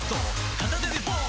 片手でポン！